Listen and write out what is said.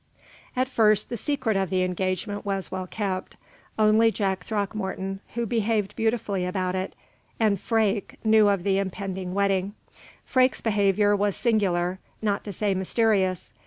At first, the secret of the engagement was well kept. Only Jack Throckmorton, who behaved beautifully about it, and Freke, knew of the impending wedding. Freke's behavior was singular, not to say mysterious.